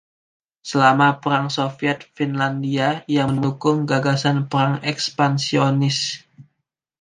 Selama Perang Soviet - Finlandia ia mendukung gagasan perang ekspansionis.